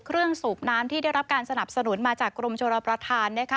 เครื่องสูบน้ำที่ได้รับการสนับสนุนมาจากกรมโชรประทาน